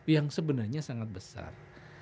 yang sebenarnya sangat besar